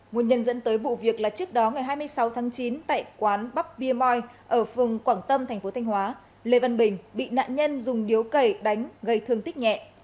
nguồn nhân dẫn tới vụ việc là trước đó ngày hai mươi sáu tháng chín tại quán bắp bia moi ở phường quảng tâm thành phố thanh hóa lê văn bình bị nạn nhân dùng điếu cẩy đánh gây thương tích nhẹ